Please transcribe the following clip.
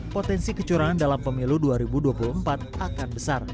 potensi kecurangan dalam pemilu dua ribu dua puluh empat akan besar